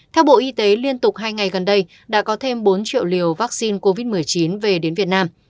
theo bộ y tế liên tục hai ngày gần đây đã có thêm bốn triệu liều vaccine covid một mươi chín về đến việt nam